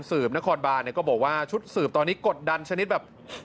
นครบานก็บอกว่าชุดสืบตอนนี้กดดันชนิดแบบ